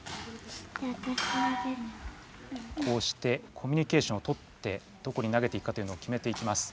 こうしてコミュニケーションをとってどこに投げていくかというのを決めていきます。